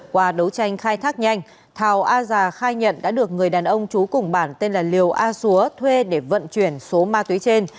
qua đấu tranh khai thác nhanh thào a già khai nhận đã được người đàn ông trú cùng bản tên là liều a xúa thuê để vận chuyển số ma túy trên